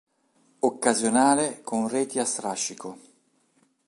Occasionale con reti a strascico.